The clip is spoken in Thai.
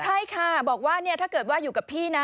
ใช่ค่ะบอกว่าถ้าเกิดว่าอยู่กับพี่นะ